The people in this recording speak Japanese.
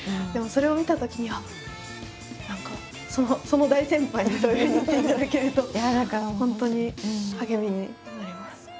でもそれを見たときに何かその大先輩にそういうふうに言っていただけると本当に励みになります。